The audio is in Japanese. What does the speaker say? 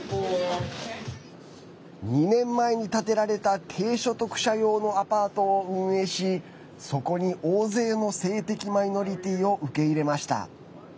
２年前に建てられた低所得者用のアパートを運営しそこに大勢の性的マイノリティーを受け入れました。